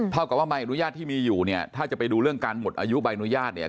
เท่ากับว่าใบอนุญาตที่มีอยู่เนี่ยถ้าจะไปดูเรื่องการหมดอายุใบอนุญาตเนี่ย